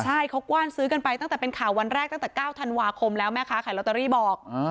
ใช่เขากว้านซื้อกันไปตั้งแต่เป็นข่าววันแรกตั้งแต่๙ธันวาคมแล้วแม่ค้าขายลอตเตอรี่บอก